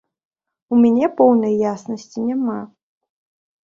У мяне поўнай яснасці няма.